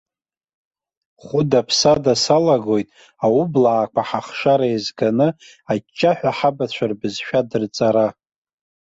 Хәыда-ԥсада салагоит аублаақәа ҳахшара еизганы аҷҷаҳәа ҳабацәа рыбызшәа дырҵара.